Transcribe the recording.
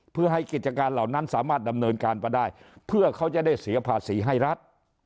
เพื่อให้กิจการเหล่านั้นสามารถดำเนินการไปได้เพื่อเขาจะได้เสียภาษีให้รัฐ